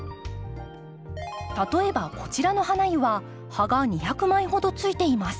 例えばこちらのハナユは葉が２００枚ほどついています。